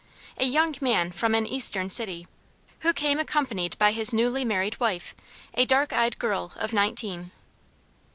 a young man from an eastern city, who came accompanied by his newly married wife, a dark eyed girl of nineteen.